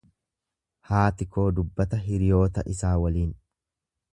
Haati koo dubbata hiriyoota isaa waliin.